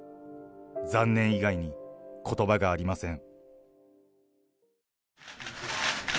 残念以外にことばがありません。